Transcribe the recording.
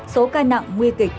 số ca nặng nguy kịch